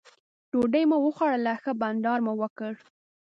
ډوډۍ مو وخوړل ښه بانډار مو وکړ.